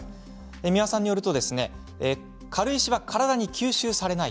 三輪さんによると軽石は体に吸収されない。